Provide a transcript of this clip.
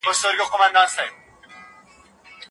هغې ته زما د سلام پیغام لا نه دی رسېدلی.